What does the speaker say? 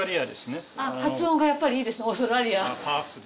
発音がやっぱりいいですオーストラリア。